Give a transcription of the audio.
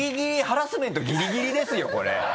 ハラスメントギリギリですよこれ。